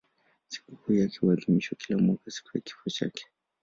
Sikukuu yake huadhimishwa kila mwaka siku ya kifo chake.